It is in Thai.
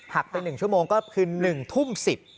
ไป๑ชั่วโมงก็คือ๑ทุ่ม๑๐